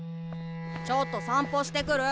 ちょっと散歩してくる。